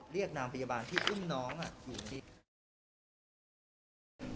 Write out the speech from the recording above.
เรียกนางพยาบาลที่คุณน้องอยู่ที่